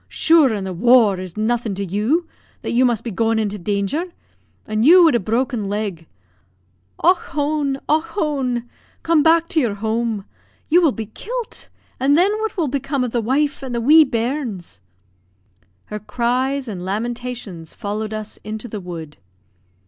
Shure an' the war is nothin' to you, that you must be goin' into danger; an' you wid a broken leg. Och hone! Och hone! Come back to your home you will be kilt, and thin what will become of the wife and the wee bairns?" Her cries and lamentations followed us into the wood.